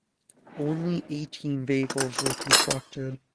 Only eighteen vehicles were constructed.